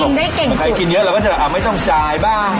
มันใครกินเยอะครับเราก็จะแบบหากไม่ต้องจ้ายบ้าง